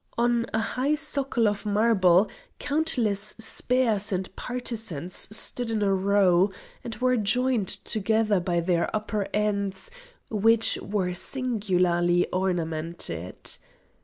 On a high socle of marble countless spears and partisans stood in a row, and were joined together by their upper ends, which were singularly ornamented.